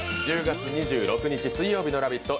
１０月２６日水曜日の「ラヴィット！」